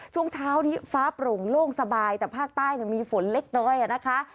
ช่วงเช้านี้ฟ้าโปร่งโล่งสบายแต่ภาคใต้มีฝนเล็กน้อยนะคะ